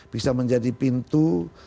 bisa menjadi pintu